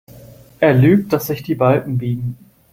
Er lügt, dass sich die Balken biegen.